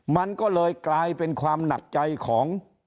มันก็เลยกลายเป็นความหนักใจของ